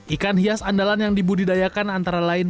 ikan hias andalan yang dibudidayakan antara lain